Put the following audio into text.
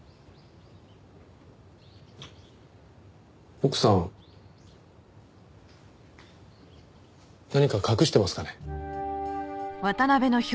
奥さん何か隠してますかね？